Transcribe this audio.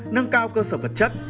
nâng cao cơ sở vật chất